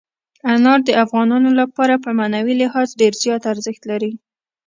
انار د افغانانو لپاره په معنوي لحاظ ډېر زیات ارزښت لري.